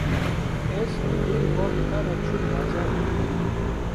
Ez bi dê û bavê xwe re çûm bazarê.